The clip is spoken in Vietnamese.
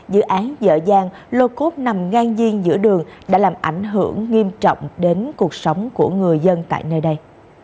dự án dở dàng lô cốt nằm ngang nhiên giữa đường đã làm ảnh hưởng nghiêm trọng đến cuộc sống của người dân tại nơi đây